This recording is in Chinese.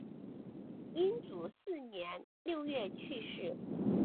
英祖四年六月去世。